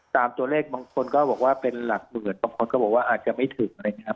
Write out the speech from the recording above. ตามตัวเลขบางคนก็บอกว่าเป็นหลักหมื่นบางคนก็บอกว่าอาจจะไม่ถึงอะไรอย่างนี้ครับ